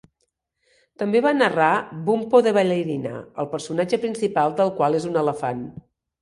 També va narrar "Bumpo the Ballerina", el personatge principal del qual és un elefant.